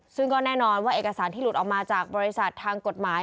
ซึ่งก็แน่นอนว่าเอกสารที่หลุดออกมาจากบริษัททางกฎหมาย